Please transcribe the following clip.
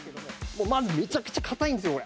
まずめちゃくちゃ硬いんですよ